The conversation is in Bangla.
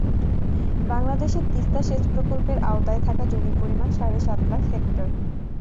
বাংলাদেশে তিস্তা সেচ প্রকল্পের আওতায় থাকা জমির পরিমাণ সাড়ে সাত লাখ হেক্টর।